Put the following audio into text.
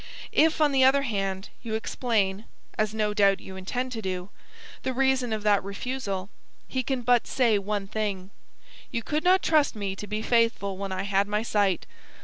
If, on the other hand, you explain, as no doubt you intend to do, the reason of that refusal, he can but say one thing: 'You could not trust me to be faithful when I had my sight.